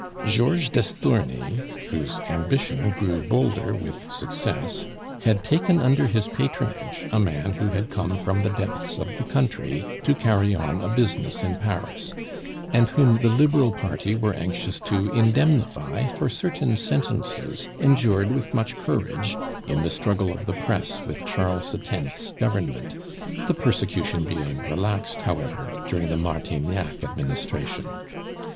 Georges d'Estourny, whose ambition grew bolder with success, had taken under his patronage a man who had come from the depths of the country to carry on a business in Paris, and whom the Liberal party were anxious to indemnify for certain sentences endured with much courage in the struggle of the press with Charles X.'s government, the persecution being relaxed, however, during the Martignac administration.